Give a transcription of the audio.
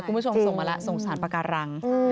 คุณผู้ชมส่งมาแล้วสงสารปาการัง